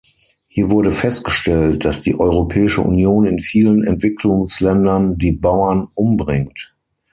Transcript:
Hier wurde festgestellt, dass die Europäische Union in vielen Entwicklungsländern die Bauern umbringt.